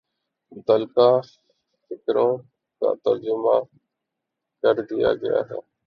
متعلقہ فقروں کا ترجمہ کر دیا گیا ہے